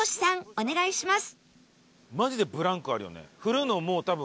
お願いします